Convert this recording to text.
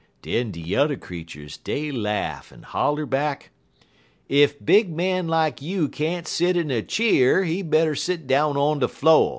"Den de yuther creeturs dey laugh, en holler back: "'Ef big man like you can't set in a cheer, he better set down on de flo'.'